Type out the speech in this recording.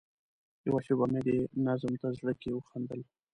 یوه شېبه مې دې نظم ته زړه کې وخندل.